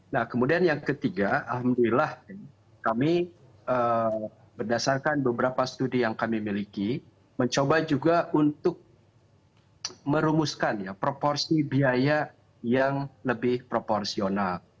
nah kemudian yang ketiga alhamdulillah kami berdasarkan beberapa studi yang kami miliki mencoba juga untuk merumuskan proporsi biaya yang lebih proporsional